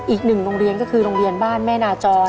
อีกหนึ่งโรงเรียนก็คือโรงเรียนบ้านแม่นาจอ